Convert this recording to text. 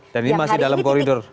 dan ini masih dalam koridor